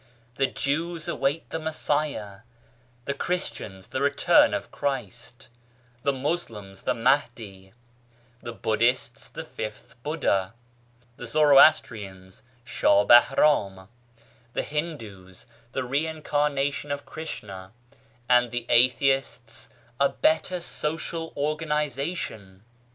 The Jews await the Messiah, tfce Christians the return io INTRODUCTORY NOTE of Christ, the Muslims the Mahdi, the Buddhists the fifth Buddha, the Zoroastrians Shah Bahrain, the Hindus the reincarnation of Krishna, and the Atheists a better social organisation